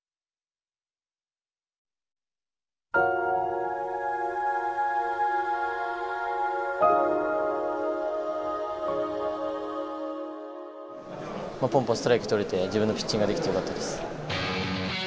ぽんぽんストライク取れて自分のピッチングができてよかったです。